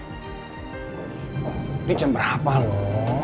ini jam berapa lo